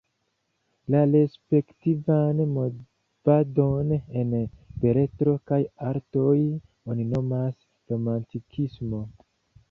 La respektivan movadon en beletro kaj artoj oni nomas romantikismo.